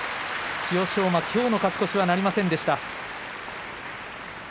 千代翔馬、今日の勝ち越しはなりませんでした。